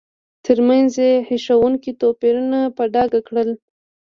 ترمنځ یې هیښوونکي توپیرونه په ډاګه کړل.